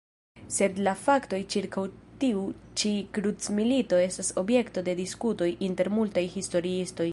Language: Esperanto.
Sed la faktoj ĉirkaŭ tiu ĉi krucmilito estas objekto de diskutoj inter multaj historiistoj.